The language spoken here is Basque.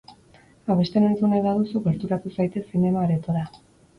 Abesten entzun nahi baduzu, gerturatu zaitez zinema-aretora.